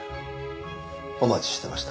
お待ちしてました。